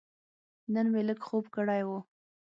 نن مې لږ خوب کړی و.